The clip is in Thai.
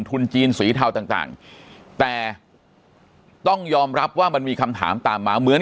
ทุนจีนสีเทาต่างแต่ต้องยอมรับว่ามันมีคำถามตามมาเหมือน